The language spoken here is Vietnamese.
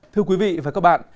thưa quý vị và các bạn